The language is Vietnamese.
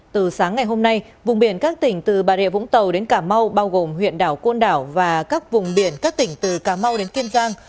từ sáng ngày hôm nay vùng biển các tỉnh từ bà rịa vũng tàu đến cà mau bao gồm huyện đảo côn đảo và các vùng biển các tỉnh từ cà mau đến kiên giang